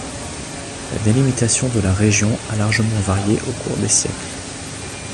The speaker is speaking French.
La délimitation de la région a largement varié au cours des siècles.